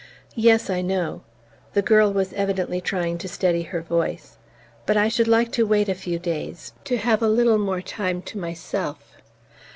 "Yes, I know." The girl was evidently trying to steady her voice. "But I should like to wait a few days to have a little more time to myself."